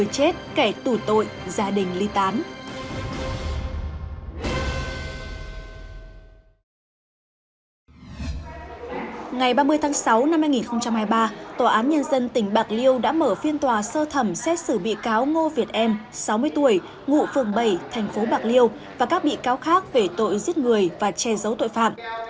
chương sáu năm hai nghìn hai mươi ba tòa án nhân dân tỉnh bạc liêu đã mở phiên tòa sơ thẩm xét xử bị cáo ngô việt em sáu mươi tuổi ngụ phường bảy thành phố bạc liêu và các bị cáo khác về tội giết người và che giấu tội phạm